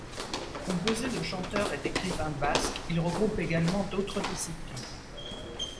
Composé de chanteurs et d'écrivains basques, il regroupe également d'autres disciplines.